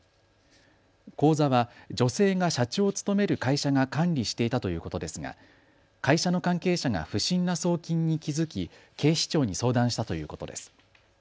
口座は女性が社長を務める会社が管理していたということですが会社の関係者が不審な送金に気付き、警視庁に相談したということです。